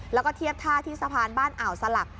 แล้วก็เทียบท่าที่สะพานบ้านอ่าวสลัก